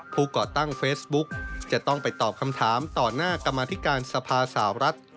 ก่อตั้งเฟซบุ๊กจะต้องไปตอบคำถามต่อหน้ากรรมธิการสภาสาวรัฐ